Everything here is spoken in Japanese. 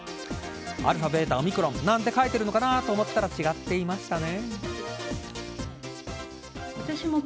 アルファ、ベータオミクロンなんて書いているのかなと思ったら違っていましたね。